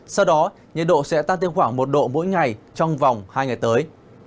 sau đó nhiệt độ sẽ tăng thêm khoảng một độ mỗi ngày trong vòng hai ngày tới